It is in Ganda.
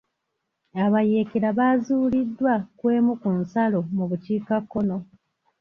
Abayekera baazuuliddwa ku emu ku nsalo mu bukiikakkono.